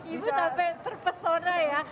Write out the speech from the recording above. ibu sampai terpesona ya